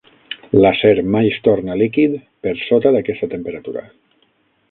L'acer mai es torna líquid per sota d'aquesta temperatura.